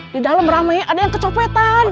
di dalam ramai ada yang kecopotan